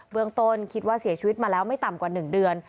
เมืองต้นคิดว่าเสียชีวิตมาแล้วไม่ต่ำกว่า๑เดือน